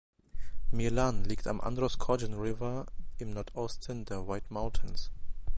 Milan liegt am Androscoggin River im Nordosten der White Mountains.